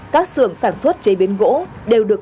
các sưởng sản xuất chế biến gỗ đều được